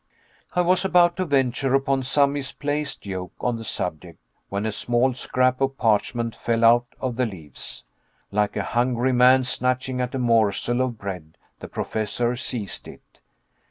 I was about to venture upon some misplaced joke on the subject, when a small scrap of parchment fell out of the leaves. Like a hungry man snatching at a morsel of bread the Professor seized it.